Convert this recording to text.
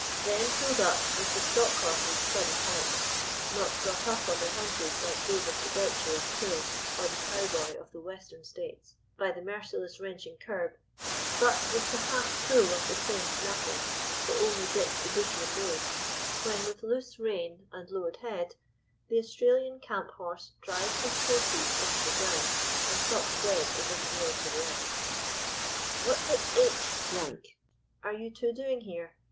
Then pulled up with the stock horses' sudden halt, not brought up on their haunches, like those of the gaucho of Chile or the cowboy of the Western States, by the merciless wrenching curb, but with the half pull of the plain snaffle, the only bit the bushman knows, when with loose rein, and lowered head, the Australian camp horse drives his fore feet into the ground, and stops dead as if nailed to the earth. "'What the h—l are you two doing here?